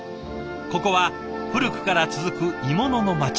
ここは古くから続く鋳物の町。